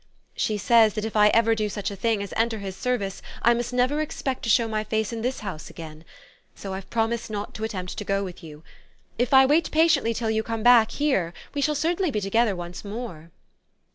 "She says that if I ever do such a thing as enter his service I must never expect to show my face in this house again. So I've promised not to attempt to go with you. If I wait patiently till you come back here we shall certainly be together once more."